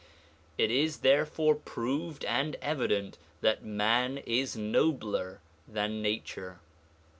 It is therefore proved and evident that man is nobler than nature.